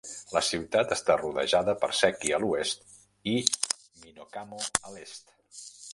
La ciutat està rodejada per Seki a l'oest i Minokamo a l'est.